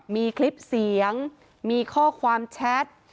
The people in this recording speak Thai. มีคลิปเสียงมีข้อความแชท